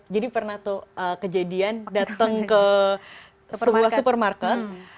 jadi pernah tuh kejadian datang ke sebuah supermarket